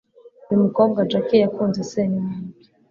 uyu mukobwa jack yakunze se nimuntu ki!